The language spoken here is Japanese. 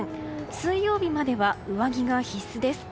水曜日までは上着が必須です。